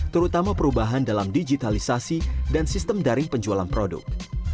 terutama perubahan dalam digitalisasi dan sistem daring penjualan produk